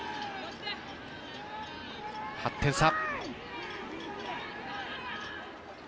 ８点差。